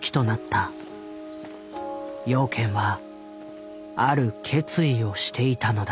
養賢はある決意をしていたのだ。